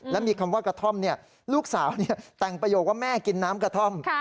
และมีคำว่ากระท่อมลูกสาวแต่งประโยคว่าแม่กินน้ำกระท่อม